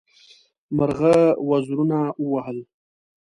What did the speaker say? مرغه وزرونه ووهل.